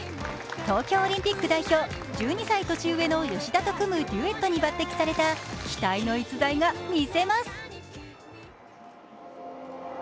東京オリンピック代表、１２歳年上の吉田と組むデュエットに抜てきされた期待の逸材がみせます。